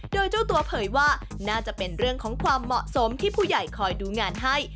โดยเจ้าตัวเผยว่าน่าจะเป็นเรื่องของความเหมาะสมที่ผู้ใหญ่คอยดูงานให้